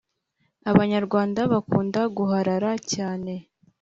Abanyarwanda bakunda guharara cyane